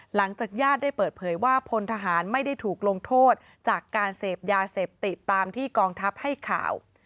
หลังจากญาติได้เปิดเผยว่าพลทหารไม่ได้ถูกลงโทษจากการเสพยาเสพติดตามที่กองทัพให้ข่าว